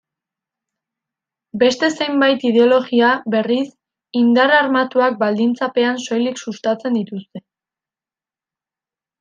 Beste zenbait ideologia, berriz, indar armatuak baldintzapean soilik sustatzen dituzte.